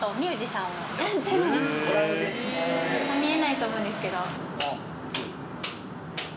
見えないと思うんですけど。